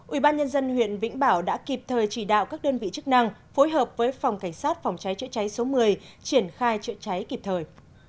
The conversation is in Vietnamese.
ubnd huyện vĩnh bảo đã kịp thời chỉ đạo các đơn vị chức năng phối hợp với phòng cảnh sát phòng cháy chữa cháy số một mươi triển khai chữa cháy kịp thời